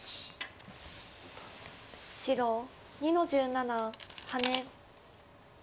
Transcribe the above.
白２の十七ハネ。